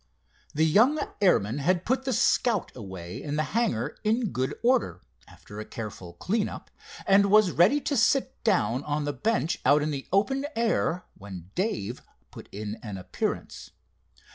The young airman had put the Scout away in the hangar in good order, after a careful clean up, and was ready to sit down on the bench out in the open air, when Dave put in an appearance.